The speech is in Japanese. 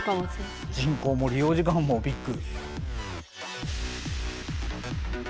人口も利用時間もビッグ。